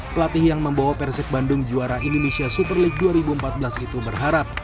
pelatih yang membawa persib bandung juara indonesia super league dua ribu empat belas itu berharap